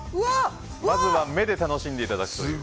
まずは目で楽しんでいただくという。